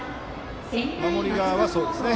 守り側はそうですね。